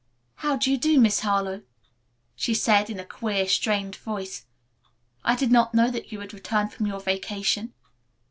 "How do you do, Miss Harlowe?" she said in a queer, strained voice. "I did not know that you had returned from your vacation."